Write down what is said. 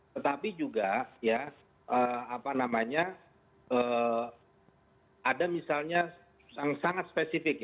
tetapi juga ada misalnya yang sangat spesifik